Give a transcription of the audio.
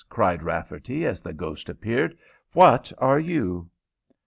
cried Rafferty, as the ghost appeared, "phwat are you?"